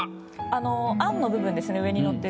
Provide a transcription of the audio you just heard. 餡の部分ですね上にのってる。